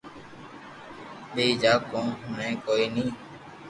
ٻيئي جا ڪون ھوڻي ڪوئي ني